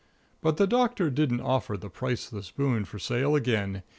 But the Doctor didn't offer the Priceless Boon for sale again.